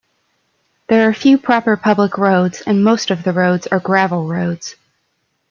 There are few proper public roads and most of the roads are gravel roads.